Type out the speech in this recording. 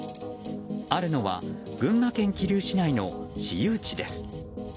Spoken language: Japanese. あるのは、群馬県桐生市内の私有地です。